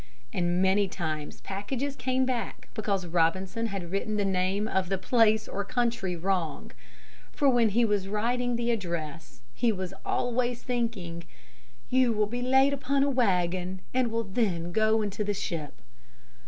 And many times packages came back because Robinson had written the name of the place or the country wrong. For when he was writing the address, he was always thinking, "You will be laid upon a wagon and will then go into the ship."